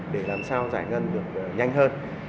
để làm sao giải ngân được nhanh hơn